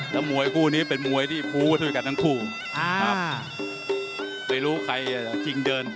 ครับแล้วมวยคู่นี้เป็นมวยที่พูดกับทั้งคู่ครับไม่รู้ใครจะคิงเดิน